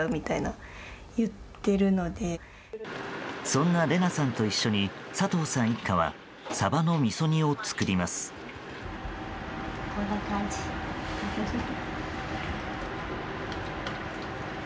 そんなレナさんと一緒に佐藤さん一家はサバのみそ煮を作ります。